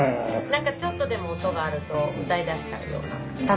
何かちょっとでも音があると歌いだしちゃうような楽しい人です。